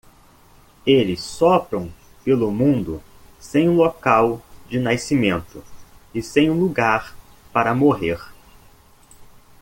Eles sopram pelo mundo sem um local de nascimento e sem lugar para morrer.